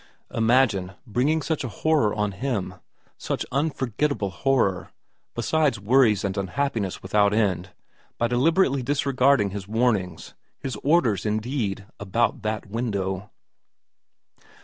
... Imagine bringing such horror on him, such unforgettable horror, besides worries and unhappiness without end, by deliberately disregard ing his warnings, his orders indeed, about that window.